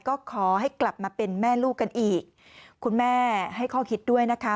ก็ขอให้กลับมาเป็นแม่ลูกกันอีกคุณแม่ให้ข้อคิดด้วยนะคะ